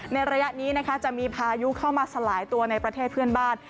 ระยะนี้นะคะจะมีพายุเข้ามาสลายตัวในประเทศเพื่อนบ้าน